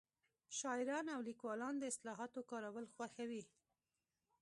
شاعران او لیکوالان د اصطلاحاتو کارول خوښوي